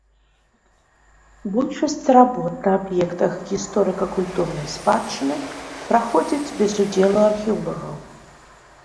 Большасць работ на аб'ектах гісторыка-культурнай спадчыны праходзяць без удзелу археолагаў.